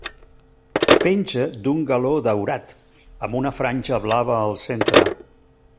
Penja d'un galó daurat, amb una franja blava al centre.